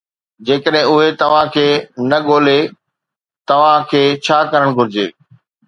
جيڪڏهن اهي توهان کي نه ڳولي، توهان کي ڇا ڪرڻ گهرجي؟